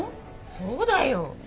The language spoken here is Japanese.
そうだよ。